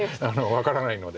分からないので。